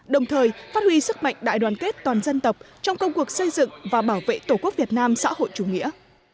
đồng thời phát huy sức mạnh đại đoàn kết toàn dân tộc trong công cuộc xây dựng và bảo vệ tổ quốc việt nam xã hội chủ nghĩa